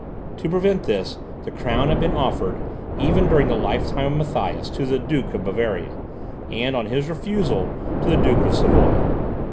To prevent this, the crown had been offered, even during the lifetime of Matthias, to the Duke of Bavaria, and on his refusal, to the Duke of Savoy.